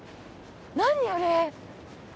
何あれ？